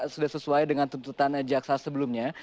sudah sesuai dengan tuntutan jaksa sebelumnya